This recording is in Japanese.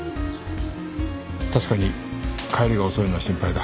確かに帰りが遅いのは心配だ。